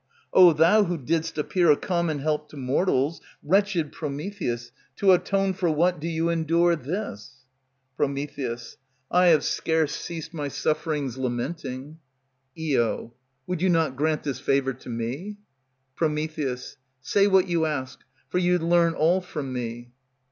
_ O thou who didst appear a common help to mortals, Wretched Prometheus, to atone for what do you endure this? Pr. I have scarce ceased my sufferings lamenting. Io. Would you not grant this favor to me? Pr. Say what you ask; for you'd learn all from me.